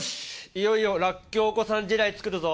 いよいよらっきょう子さん時代作るぞ！